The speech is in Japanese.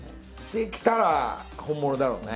できたら本物だろうね。